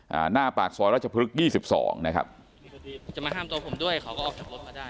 หน้าปากซอยราชพฤกษยี่สิบสองนะครับจะมาห้ามตัวผมด้วยเขาก็ออกจากรถมาได้